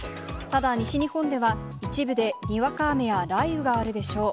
ただ、西日本では、一部でにわか雨や雷雨があるでしょう。